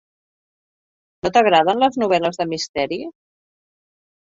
No t'agraden les novel·les de misteri?